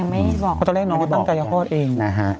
ยังไม่บอกตอนแรกน้องตั้งใจจะคลอดเอง